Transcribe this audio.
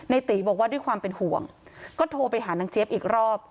ตีบอกว่าด้วยความเป็นห่วงก็โทรไปหานางเจี๊ยบอีกรอบ